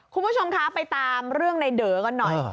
คุณผู้ชมคะไปตามเรื่องในเดอกันหน่อย